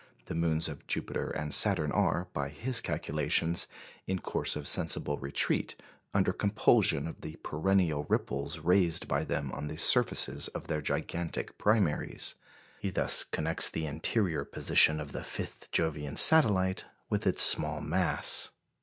The moons of Jupiter and Saturn are, by his calculations, in course of sensible retreat, under compulsion of the perennial ripples raised by them on the surfaces of their gigantic primaries. He thus connects the interior position of the fifth Jovian satellite with its small mass.